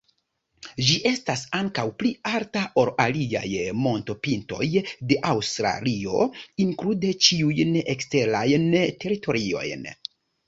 Ĝi estas ankaŭ pli alta ol aliaj montopintoj de Aŭstralio, inklude ĉiujn eksterajn teritoriojn.